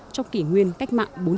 trong kỷ nguyên cách mạng bốn